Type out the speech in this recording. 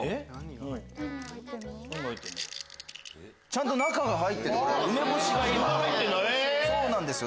ちゃんと中が入ってるんです。